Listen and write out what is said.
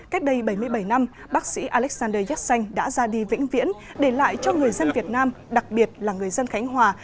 cách đây bảy mươi bảy năm bác sĩ alexander yax xanh đã ra đi vĩnh viễn để lại cho người dân việt nam đặc biệt là người dân khánh hòa